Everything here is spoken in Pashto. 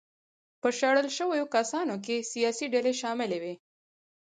په شړل شویو کسانو کې سیاسي ډلې شاملې وې.